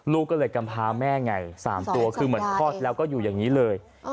ลูกก็เลยกำพาแม่ไง๓ตัวคือเหมือนคลอดแล้วก็อยู่อย่างนี้เลย